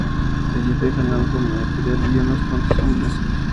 Allí dejan algo de material y unos cuantos hombres.